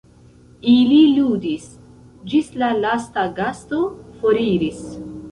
Ili ludis, ĝis la lasta gasto foriris.